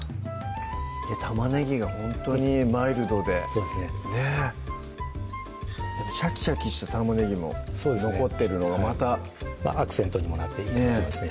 玉ねぎがほんとにマイルドでそうですねねっシャキシャキした玉ねぎも残ってるのがまたアクセントにもなっていいかなと思いますね